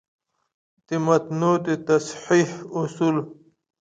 د متونو د تصحیح اصول: